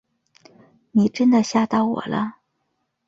你真的吓到我了